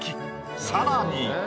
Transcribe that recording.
さらに。